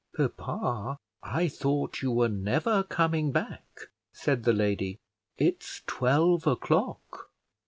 "Papa, I thought you were never coming back," said the lady; "it's twelve o'clock."